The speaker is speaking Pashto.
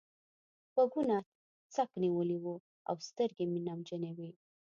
غوږونه څک نيولي وو او سترګې مې نمجنې وې.